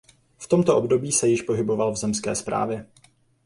V tomto období se již pohyboval v zemské správě.